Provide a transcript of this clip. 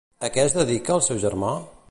A què es dedica el seu germà?